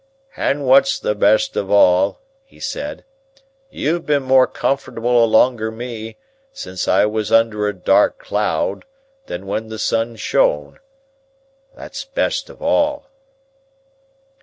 "And what's the best of all," he said, "you've been more comfortable alonger me, since I was under a dark cloud, than when the sun shone. That's best of all."